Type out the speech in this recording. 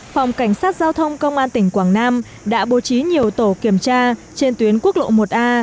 phòng cảnh sát giao thông công an tỉnh quảng nam đã bố trí nhiều tổ kiểm tra trên tuyến quốc lộ một a